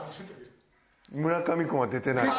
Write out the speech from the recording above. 村上君は出てない。